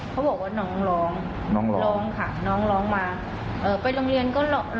เขาบอกว่าน้องร้องน้องร้องร้องค่ะน้องร้องมาเอ่อไปโรงเรียนก็ร้อง